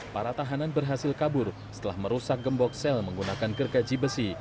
para tahanan berhasil kabur setelah merusak gembok sel menggunakan gergaji besi